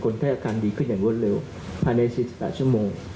แพทย์อาการดีขึ้นอย่างรวดเร็วภายใน๔๘ชั่วโมง